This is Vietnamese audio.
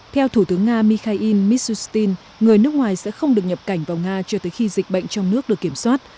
theo thủ tướng nga mikhail mishustin người nước ngoài sẽ không được nhập cảnh vào nga cho tới khi dịch bệnh trong nước được kiểm soát